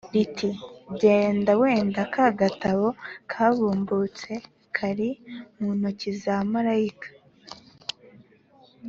riti “Genda wende ka gatabo kabumbutse kari mu intoki za marayika